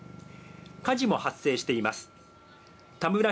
火事も発生しています。